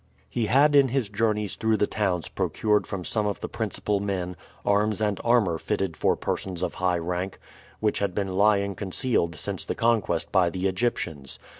He had in his journeys through the towns procured from some of the principal men arms and armor fitted for persons of high rank, which had been lying concealed since the conquest by the Egyptians.